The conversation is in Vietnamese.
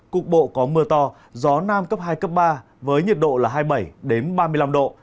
cục bộ có mưa to gió nam cấp hai cấp ba với nhiệt độ là hai mươi bảy ba mươi năm độ